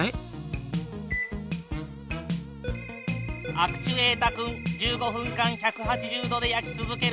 アクチュエータ君１５分間１８０度で焼き続けるぞ。